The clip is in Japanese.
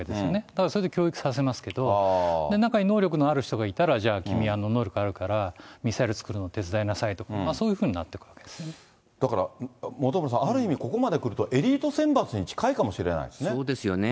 ただそれで教育させますけど、中に能力のある人がいたら、じゃあ君は能力があるから、ミサイル作るの手伝いなさいとか、そういうふうになっていくわけでだから本村さん、ある意味、ここまでくると、エリート選抜に近いかもしれないですね。